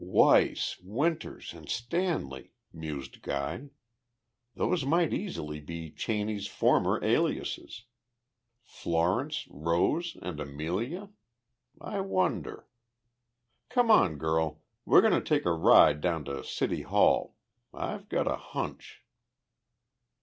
"Weiss, Winters, and Stanley," mused Guy. "Those might easily be Cheney's former aliases. Florence, Rose, and Amelia? I wonder.... Come on, girl, we're going to take a ride down to City Hall! I've got a hunch!"